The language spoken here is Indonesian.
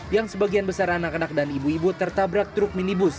yang sebagian besar anak anak dan ibu ibu tertabrak truk minibus